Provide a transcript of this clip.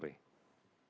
terima kasih selamat sore